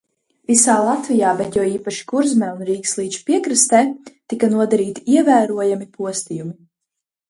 Visā Latvijā, bet jo īpaši Kurzemē un Rīgas līča piekrastē, tika nodarīti ievērojami postījumi.